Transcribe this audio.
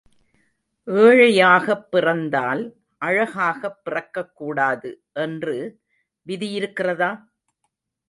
ஏழையாகப் பிறந்தால் அழகாகப் பிறக்கக் கூடாது என்று விதியிருக்கிறதா?